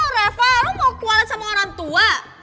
reva lo mau kualet sama orang tua